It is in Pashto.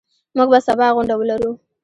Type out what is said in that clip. موږ به سبا غونډه ولرو.